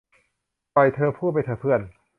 ปล่อยเธอพูดไปเถอะ เพื่อน